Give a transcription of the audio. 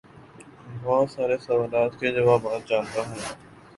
بہت سارے سوالات کے جوابات جانتا ہوں